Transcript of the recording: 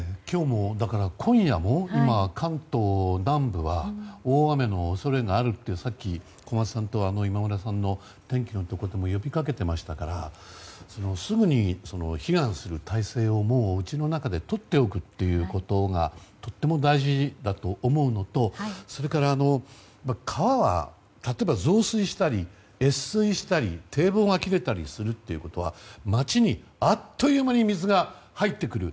今夜も関東南部は大雨の恐れがあるとさっき小松さんと今村さんの天気のところでも呼びかけていましたからすぐに避難する態勢をうちの中でとっておくということがとても大事だと思うのと川は、例えば増水したり越水したり、堤防が切れたりするということは町にあっという間に水が入ってくる。